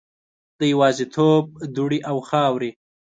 د یوازیتوب دوړې او خاورې